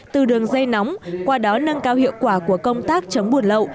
từ đường dây nóng qua đó nâng cao hiệu quả của công tác chống buôn lậu